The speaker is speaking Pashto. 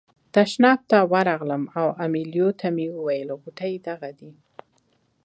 تشناب ته ورغلم او امیلیو ته مې وویل غوټې دغه دي.